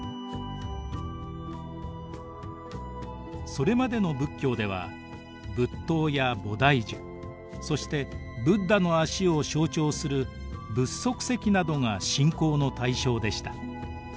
それまでの仏教では仏塔や菩提樹そしてブッダの足を象徴する仏足石などが信仰の対象でした。